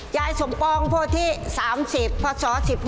ยายสมปองพวกที่๓๐พศ๑๖